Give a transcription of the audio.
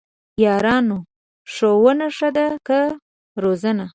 یارانو ! ښوونه ښه ده که روزنه؟!